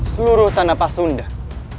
seluruh tanah pasundan